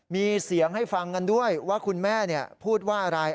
มีเสียงให้ฟังกันด้วยว่าคุณแม่พูดว่าอะไร